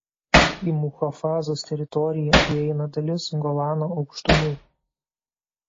Į muchafazos teritoriją įeina dalis Golano aukštumų.